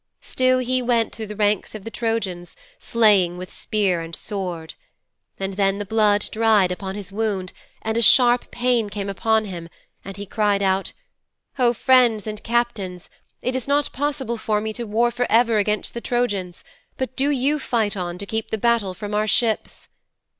Still he went through the ranks of the Trojans, slaying with spear and sword. And then the blood dried upon his wound and a sharp pain came upon him and he cried out, "O friends and captains! It is not possible for me to war for ever against the Trojans, but do you fight on to keep the battle from our ships."